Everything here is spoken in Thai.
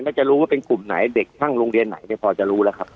จะรู้ว่าเป็นกลุ่มไหนเด็กช่างโรงเรียนไหนพอจะรู้แล้วครับ